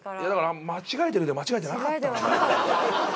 間違えてるようで間違えてなかったんだ。